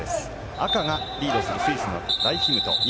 赤がリードするスイスのライヒムト。